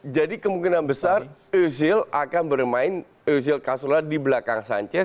jadi kemungkinan besar uzil akan bermain uzil casurla di belakang sanchez